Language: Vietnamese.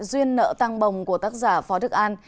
duyên nợ tăng bồng của tác giả phó đức an